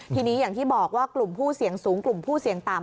ทีนี้อย่างที่บอกว่ากลุ่มผู้เสี่ยงสูงกลุ่มผู้เสี่ยงต่ำ